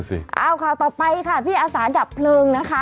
เอาข่าวต่อไปค่ะพี่อาสาดับเพลิงนะคะ